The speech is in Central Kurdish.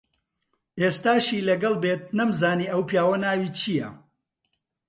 ئێستاشی لەگەڵ بێت نەمزانی ئەو پیاوە ناوی چییە.